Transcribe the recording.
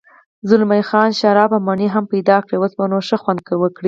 زلمی خان شراب او مڼې هم پیدا کړې، اوس به نو ښه خوند وکړي.